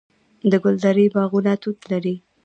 د ګلدرې باغونه توت لري.